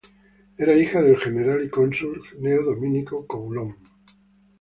Era hija del general y cónsul Gneo Domicio Corbulón.